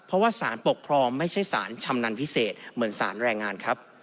เพราะว่าสารปกครองไม่ใช่สารชำนาญพิเศษเหมือนสารแรงงานครับ